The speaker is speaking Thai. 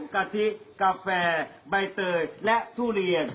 กะทิกาแฟใบเตยและทุเรียน